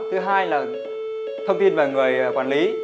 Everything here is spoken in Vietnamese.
thứ hai là thông tin về người quản lý